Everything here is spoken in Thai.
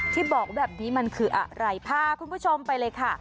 ที่บอกแบบนี้มันคืออะไรพาคุณผู้ชมไปเลยค่ะ